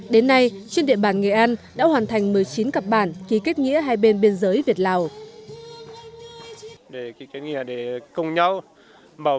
đến nay trên địa bàn nghệ an đã hoàn thành một mươi chín cặp bản ký kết nghĩa hai bên biên giới việt lào